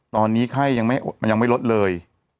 ตอนนี้ไข้ยังไม่ลดเลย